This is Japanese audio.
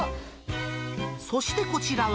そしてこちらは。